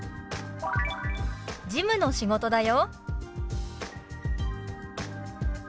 「事務の仕事だよ」。